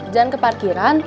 jangan ke parkiran